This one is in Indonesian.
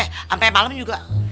sampai malem juga